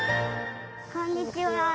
こんにちは。